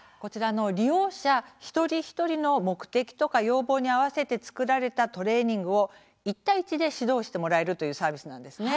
利用者一人一人の目的や要望に合わせて作られたトレーニングを１対１で指導してもらえるサービスです。